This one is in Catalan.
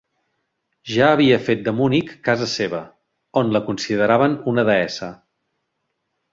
Ja havia fet de Munic casa seva, on la consideraven una deessa.